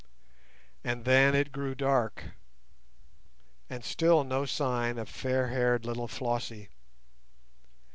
And then it grew dark, and still no sign of fair haired little Flossie.